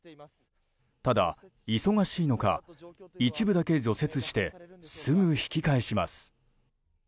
ただ、忙しいのか一部だけ除雪してすぐ引き返します。